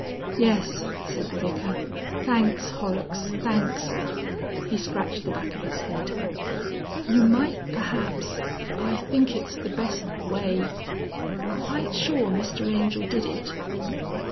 "Yes," said the Vicar. "Thanks, Horrocks, thanks!" He scratched the back of his head. "You might perhaps ... I think it's the best way ... Quite sure Mr Angel did it?"